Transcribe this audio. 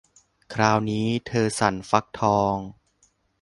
คราวนี้เธอสั่นฟักทอง